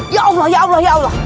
ya allah ya allah ya allah